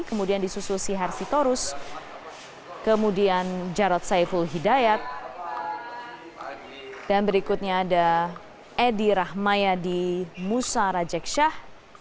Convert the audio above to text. kemudian disusul si harsitorus kemudian jarod saiful hidayat dan berikutnya ada edi rahmayadi musa rajeksah